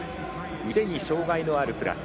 腕に障がいのあるクラス。